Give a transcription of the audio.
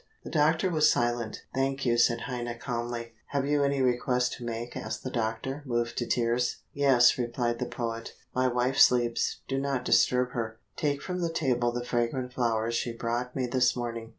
The doctor was silent. "Thank you," said Heine calmly. "Have you any request to make?" asked the doctor, moved to tears. "Yes," replied the poet; "my wife sleeps do not disturb her. Take from the table the fragrant flowers she brought me this morning.